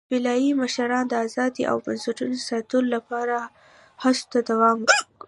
قبایلي مشرانو د ازادۍ او بنسټونو ساتلو لپاره هڅو ته دوام ورکړ.